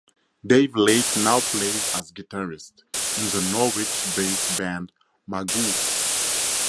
Dave Lake now plays as guitarist in the Norwich-based band 'Magoo'.